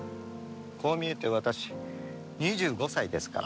こう見えて私２５歳ですから。